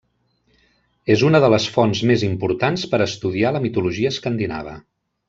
És una de les fonts més importants per a estudiar la mitologia escandinava.